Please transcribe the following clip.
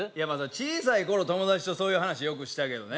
小さい頃友達とそういう話よくしたけどね